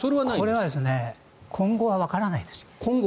これは今後はわからないです。